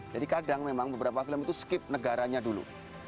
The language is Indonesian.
jadi kadang memang beberapa film itu skip negaranya dulu